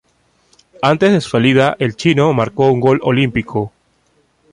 Antes de su salida el "Chino" marcó un gol olímpico.